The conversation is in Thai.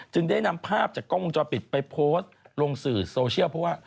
ได้นำภาพจากกล้องวงจรปิดไปโพสต์ลงสื่อโซเชียลเพราะว่า